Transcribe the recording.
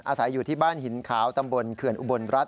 อาศัยอยู่ที่บ้านหินขาวตำบลเขื่อนอุบลรัฐ